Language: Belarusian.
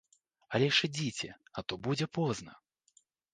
Але ж ідзіце, а то будзе позна!